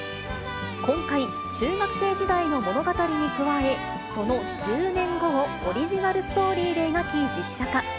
今回、中学生時代の物語に加え、その１０年後をオリジナルストーリーで描き、実写化。